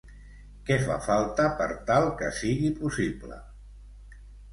Què fa falta per tal que sigui possible?